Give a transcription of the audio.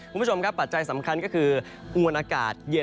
คุณผู้ชมครับปัจจัยสำคัญก็คือมวลอากาศเย็น